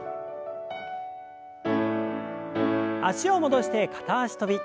脚を戻して片脚跳び。